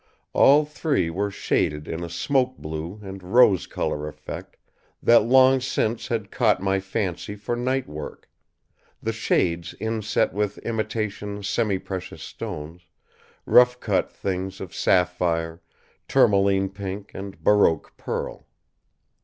All three were shaded in a smoke blue and rose color effect that long since had caught my fancy for night work; the shades inset with imitation semi precious stones, rough cut things of sapphire, tourmaline pink and baroque pearl.